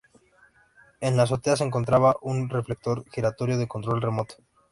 En la azotea se encontraba un reflector giratorio, de control remoto.